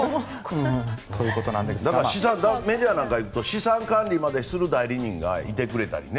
メジャーなんかいくと資産管理までしてくれる代理人がいてくれたりね。